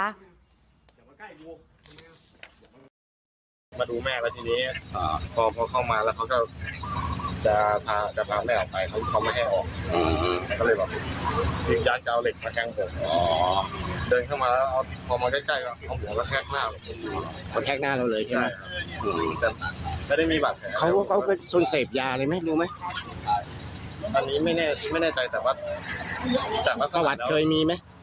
อันนี้ไม่แน่ใจแต่ว่าแต่ละเคยมีไหม